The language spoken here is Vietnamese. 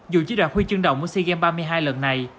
dù chỉ đoạt huy chương động ở sea games ba mươi hai lần này